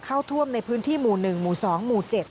เข้าท่วมในพื้นที่หมู่๑หมู่๒หมู่๗